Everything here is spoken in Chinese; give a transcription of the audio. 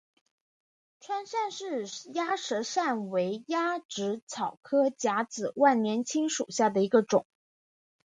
川上氏鸭舌疝为鸭跖草科假紫万年青属下的一个种。